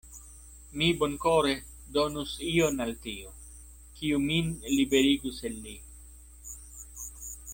Mi bonkore donus ion al tiu, kiu min liberigus el li.